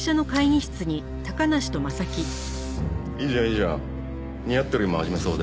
いいじゃんいいじゃん。